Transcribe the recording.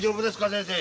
先生。